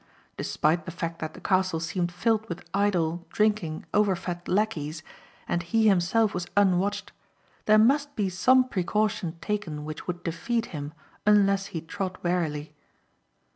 Despite the fact that the castle seemed filled with idle, drinking, overfed lackeys and he himself was unwatched, there must be some precaution taken which would defeat him unless he trod warily.